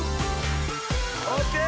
◆オッケー！